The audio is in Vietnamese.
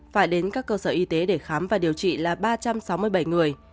phải đến các cơ sở y tế để khám và điều trị là ba trăm sáu mươi bảy người